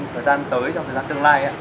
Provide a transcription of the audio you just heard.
thời gian tới trong thời gian tương lai